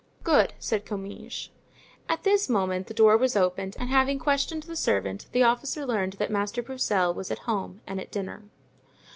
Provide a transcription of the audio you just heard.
"Good," said Comminges. At this moment the door was opened, and having questioned the servant the officer learned that Master Broussel was at home and at dinner.